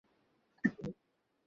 যদি তাতে কোনো লাভ হয়।